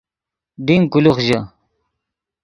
ڈین کولوخ ژے